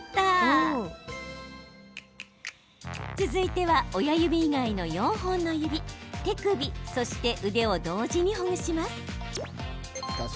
続いては親指以外の４本の指、手首そして腕を同時にほぐします。